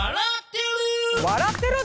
「笑ってる」